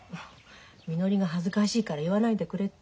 みのりが恥ずかしいから言わないでくれって。